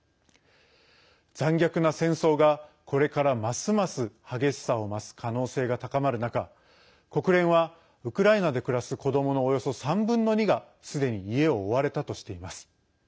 残虐な戦争が、これからますます激しさを増す可能性が高まる中国連はウクライナで暮らす子どものおよそ３分の２がすでに家を追われたとしています。